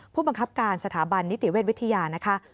ผู้บังคับการสถาบันนิติเวชวิทยานะคะ